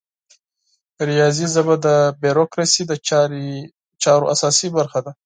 د ریاضي ژبه د بروکراسي د چارو اساسي برخه ده.